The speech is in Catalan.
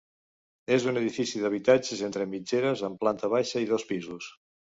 És un edifici d'habitatges entre mitgeres, amb planta baixa i dos pisos.